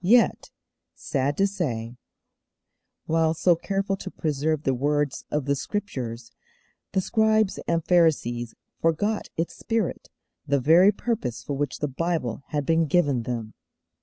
Yet, sad to say, while so careful to preserve the words of the Scriptures, the Scribes and Pharisees forgot its spirit, the very purpose for which the Bible had been given them.